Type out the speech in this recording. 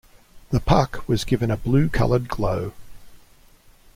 The puck was given a blue-colored glow.